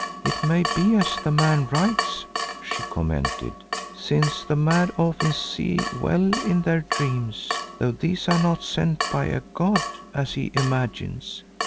"It may be as the man writes," she commented, "since the mad often see well in their dreams, though these are not sent by a god as he imagines.